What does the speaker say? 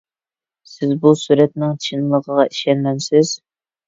سىز بۇ سۈرەتنىڭ چىنلىقىغا ئىشەنمەمسىز؟